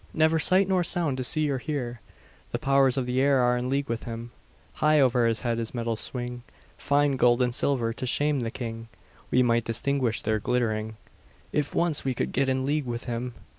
Never sight nor sound to see or hear; The powers of the air are in league with him; High over his head his metals swing, Fine gold and silver to shame the king; We might distinguish their glittering, If once we could get in league with him.